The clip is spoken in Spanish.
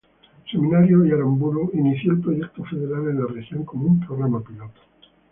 Seminario y Aramburu inició el proyecto federal en la región como un programa piloto.